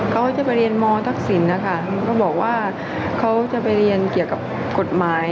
เขาจะไปเรียนมทักษิณนะคะเขาบอกว่าเขาจะไปเรียนเกี่ยวกับกฎหมาย